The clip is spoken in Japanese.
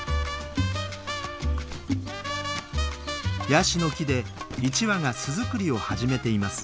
ヤシの木で１羽が巣作りを始めています。